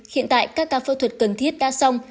hiện tại các ca phẫu thuật cần thiết đã xong